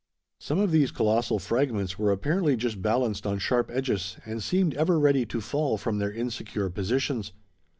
Some of these colossal fragments were apparently just balanced on sharp edges, and seemed ever ready to fall from their insecure positions.